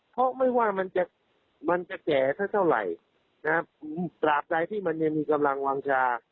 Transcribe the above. เพราะไม่ว่ามันจะแก่เท่าไหร่ตราบใจที่มันมีกำลังวางชา